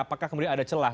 apakah kemudian ada celah